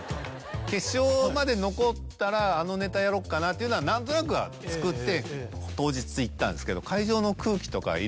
決勝まで残ったらあのネタやろっかなというのは何となくは作って当日行ったんですけど。